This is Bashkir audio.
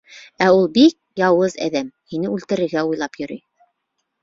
Ә ул бик яуыз әҙәм, һине үлтерергә уйлап йөрөй.